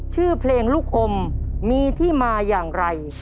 ชื่อเพลงลูกอมมีที่มาอย่างไร